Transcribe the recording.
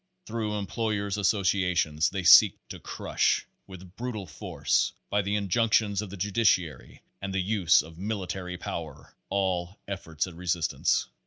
Through employers' associations, they seek to crush, with brutal force, by the injunctions of the judiciary and the use of military power, all efforts at resistance.